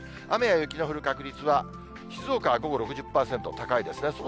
雨や雪の降る確率は、静岡は午後６０％、高いですね。